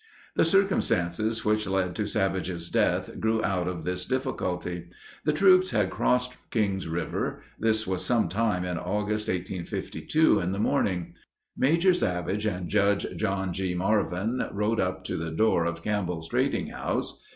The circumstances which led to Savage's death grew out of this difficulty. The troops had crossed Kings River. This was some time in August 1852 in the morning. Major Savage and Judge John G. Marvin rode up to the door of Campbell's trading house.